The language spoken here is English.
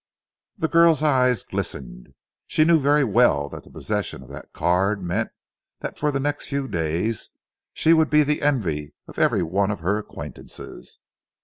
The girl's eyes glistened. She knew very well that the possession of that card meant that for the next few days she would be the envy of every one of her acquaintances.